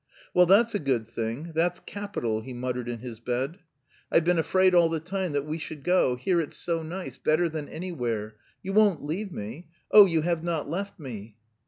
"Well, that's a good thing, that's capital!" he muttered in his bed. "I've been afraid all the time that we should go. Here it's so nice, better than anywhere.... You won't leave me? Oh, you have not left me!"